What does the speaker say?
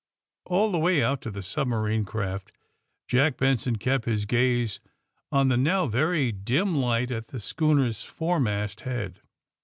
All the way out to the submarine craft Jack Benson kept his gaze on the now very dim light at the schooner's foremast head.